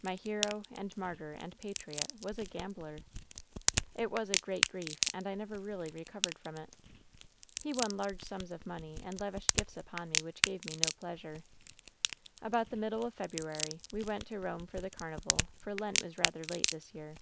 My hero, and martyr, and patriot was a gambler ! "It was a great grief, and I never really recovered from it. "He won large sums of money, and lavished gifts upon me which gave me no pleasure. "About the middle of February we went to Rome for the carnival, for Lent was rather late this year.